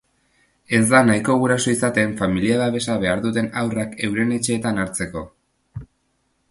Ez da nahikoa guraso izaten familia-babesa behar duten haurrak euren etxeetan hartzeko.